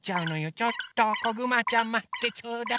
ちょっとこぐまちゃんまってちょうだい。